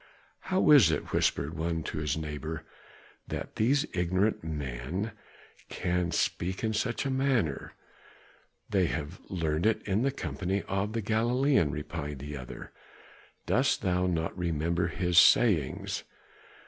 "How is it," whispered one to his neighbor, "that these ignorant men can speak in such a manner?" "They have learned it in the company of the Galilean," replied the other. "Dost thou not remember his sayings?"